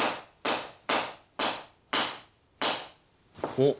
おっ！